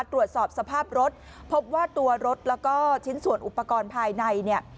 ตรวจสอบสภาพรถพบว่าตัวรถแล้วก็ชิ้นส่วนอุปกรณ์ภายในเนี่ย